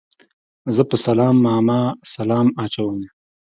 زه په سلام ماما سلام اچوم